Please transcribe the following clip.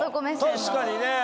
確かにね。